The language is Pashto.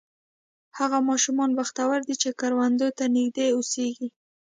هغه ماشومان بختور دي چې کروندو ته نږدې اوسېږي.